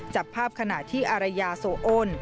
จับภาพขณะที่อารยาโซโอน